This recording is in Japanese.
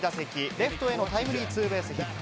レフトへのタイムリーツーベースヒット。